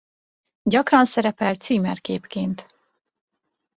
Gyakran szerepel címerképként.